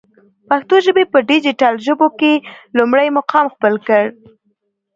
پښتو ژبی په ډيجيټل ژبو کی لمړی مقام خپل کړ.